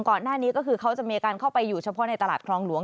ก่อนหน้านี้ก็คือเขาจะมีการเข้าไปอยู่เฉพาะในตลาดคลองหลวง